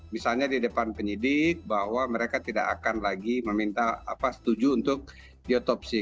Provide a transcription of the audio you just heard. misalnya di depan penyidik bahwa mereka tidak akan lagi meminta apa setuju untuk diotopsi